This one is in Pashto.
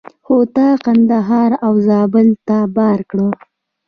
خو تا کندهار او زابل ته بار کړه.